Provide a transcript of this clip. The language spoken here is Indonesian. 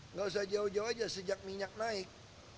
nggak usah jauh jauh aja sejak minyak naik